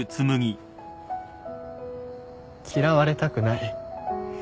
嫌われたくない。